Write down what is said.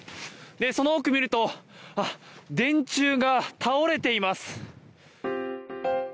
その奥を見ると電柱が倒れています。